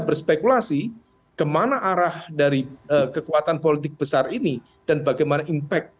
berspekulasi kemana arah dari kekuatan politik besar ini dan bagaimana impact